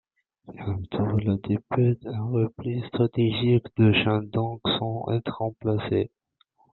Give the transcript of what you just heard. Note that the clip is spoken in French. Bientôt, la débute un repli stratégique du Shandong sans être remplacée.